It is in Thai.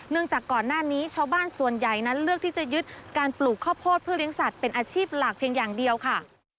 จากก่อนหน้านี้ชาวบ้านส่วนใหญ่นั้นเลือกที่จะยึดการปลูกข้าวโพดเพื่อเลี้ยสัตว์เป็นอาชีพหลักเพียงอย่างเดียวค่ะ